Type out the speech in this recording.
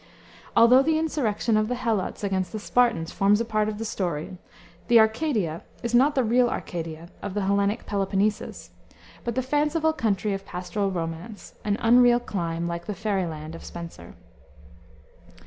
Although the insurrection of the Helots against the Spartans forms a part of the story, the Arcadia is not the real Arcadia of the Hellenic Peloponnesus, but the fanciful country of pastoral romance, an unreal clime, like the Faery Land of Spenser.